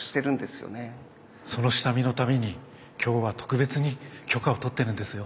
その下見のために今日は特別に許可を取ってるんですよ。